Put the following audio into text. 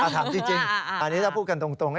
ถามจริงอันนี้ถ้าพูดกันตรง